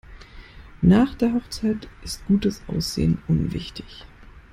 Nach der Hochzeit ist gutes Aussehen unwichtig.